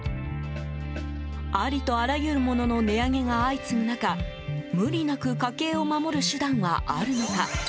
ありとあらゆるものの値上げが相次ぐ中無理なく家計を守る手段はあるのか。